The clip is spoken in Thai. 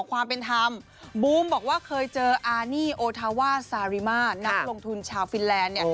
ความเป็นธรรมบูมบอกว่าเคยเจออานี่โอทาว่าซาริมานักลงทุนชาวฟินแลนด์เนี่ย